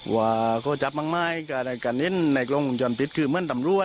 ว่าก็จับมากก็ในกรงจันทร์ฤทธิ์คือเมื่อนทำรวจ